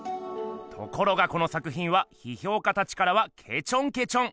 ところがこの作ひんはひひょうかたちからはけちょんけちょん。